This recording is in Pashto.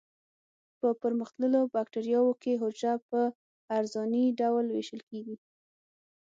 په پرمختللو بکټریاوو کې حجره په عرضاني ډول ویشل کیږي.